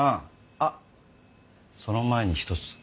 あっその前に１つ。